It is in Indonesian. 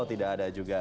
oh tidak ada juga